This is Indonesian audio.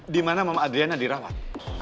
di mana mama adriana dirawat